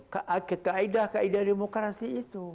kaedah kaedah demokrasi itu